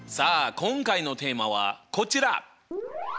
今回のテーマはこちら！